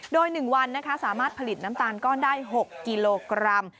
โดย๑วันสามารถผลิตน้ำตาลก้อนได้๖กิโลกรัม